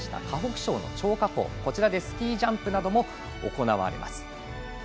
河北省の張家口こちらでスキージャンプなども行われます。